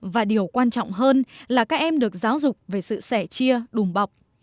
và điều quan trọng hơn là các em được giáo dục về sự sẻ chia đùm bọc